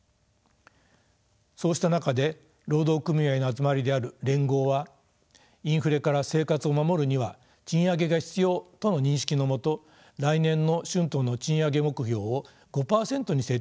そうした中で労働組合の集まりである連合はインフレから生活を守るには賃上げが必要との認識のもと来年の春闘の賃上げ目標を５％に設定すると発表しました。